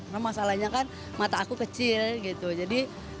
karena masalahnya kan mata aku kecil gitu jadi